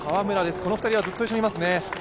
この２人はずっと一緒にいますね。